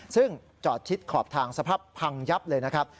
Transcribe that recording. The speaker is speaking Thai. ซึ่งจอดชิดขอบทางสภาพพังยับเลยนะครับ